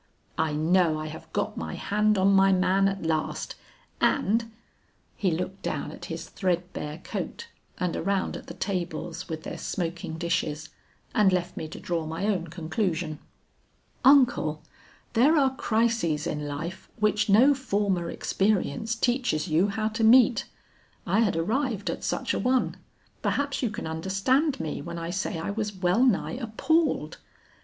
I know I have got my hand on my man at last and ' He looked down at his thread bare coat and around at the tables with their smoking dishes, and left me to draw my own conclusion. "Uncle, there are crises in life which no former experience teaches you how to meet. I had arrived at such a one. Perhaps you can understand me when I say I was well nigh appalled.